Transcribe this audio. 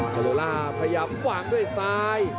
คารีลอฟพยายามขวางด้วยซ้าย